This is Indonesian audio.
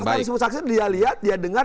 kalau kita misalkan dia lihat dia dengar